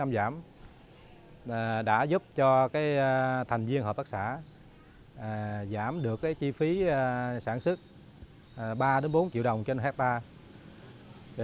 giảm đã giúp cho thành viên hợp tác xã giảm được chi phí sản xuất ba bốn triệu đồng trên hectare